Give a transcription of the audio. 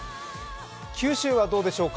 九州はどうでしょうか。